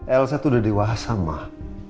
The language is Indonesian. elsa tuh udah dewasa mah